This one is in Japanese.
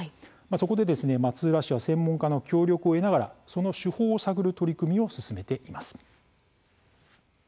そこで松浦市は専門家の協力を得ながらその手法を探る取り組みを進めています。